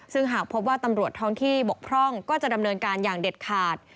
ซึ่งหากพบว่าตำรวจท้องที่บกพร่องก็จะดำเนินการอย่างเด็ดขาด